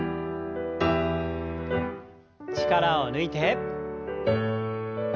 力を抜いて。